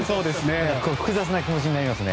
複雑な気持ちになりますね。